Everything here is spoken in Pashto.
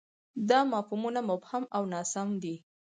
دا مفهومونه مبهم او ناسم دي.